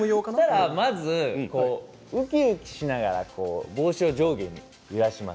まずはうきうきしながら帽子を上下に揺らします。